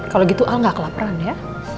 kalau gitu al enggak kelaparan ya